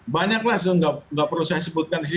banyak lah nggak perlu saya sebutkan di sini